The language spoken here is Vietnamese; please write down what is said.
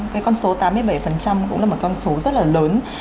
cái con số tám mươi bảy cũng là một con số rất là lớn